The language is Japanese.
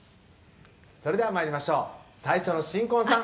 「それではまいりましょう」「最初の新婚さん